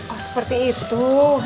oh seperti itu